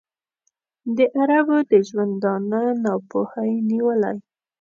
د عربو د ژوندانه ناپوهۍ نیولی.